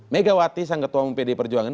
megawati sang ketua umum pdi perjuangan